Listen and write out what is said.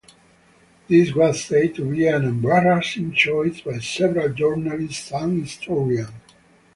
This was said to be an "embarrassing" choice by several journalists and historians.